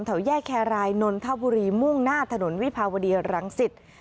แถวแยกแครรายนนทบุรีมุ่งหน้าถนนวิภาวดีรังสิต